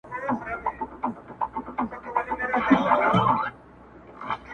چي پیر مو سو ملګری د شیطان څه به کوو؟-